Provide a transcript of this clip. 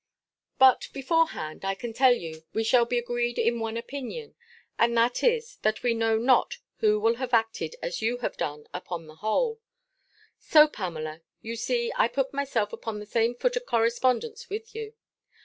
But, before hand, I can tell you, we shall be agreed in one opinion; and that is, that we know not who would have acted as you have done, upon the whole. So, Pamela, you see I put myself upon the same foot of correspondence with you.